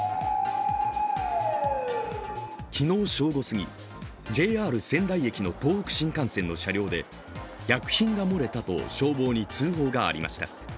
昨日正午すぎ、ＪＲ仙台駅の東北新幹線の車両で薬品が漏れたと消防に通報がありました。